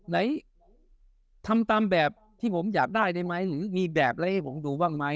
ไหนทำตามแบบที่ผมอยากได้ได้ไหมหรือมีแบบอะไรให้ผมดูบ้างไหม